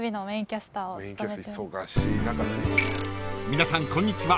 ［皆さんこんにちは